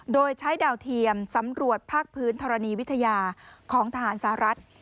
โดยใช้ดาวเทียมสำรวจภาคพื้นธรณีวิทยาของทหารสหรัฐ